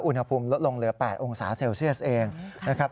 อุณหภูมิลดลงเหลือ๘องศาเซลเซียสเองนะครับ